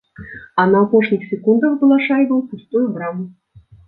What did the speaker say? А на апошніх секундах была шайба ў пустую браму.